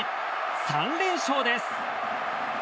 ３連勝です。